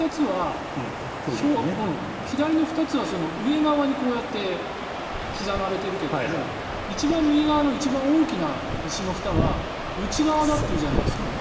左の２つは上側にこうやって刻まれてるけど一番右側の一番大きな石のふたは内側だっていうじゃないですか。